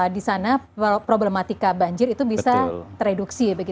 di sana problematika banjir itu bisa tereduksi begitu ya pak ya